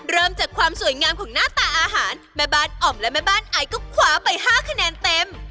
เริ่มจากความสวยงามของหน้าตาอาหารแม่บ้านอ่อมและแม่บ้านไอก็คว้าไป๕คะแนนเต็ม